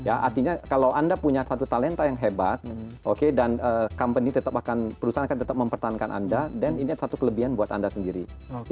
artinya kalau anda punya satu talenta yang hebat oke dan company tetap akan perusahaan akan tetap mempertahankan anda dan ini satu kelebihan buat anda sendiri